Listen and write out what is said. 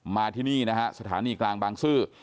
มาที่นี่นะฮะสถานีกลางบางซื่อ